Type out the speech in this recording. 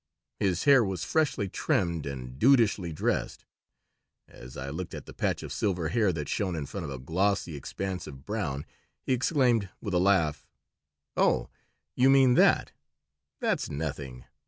His hair was freshly trimmed and dudishly dressed. As I looked at the patch of silver hair that shone in front of a glossy expanse of brown, he exclaimed, with a laugh: "Oh, you mean that! That's nothing.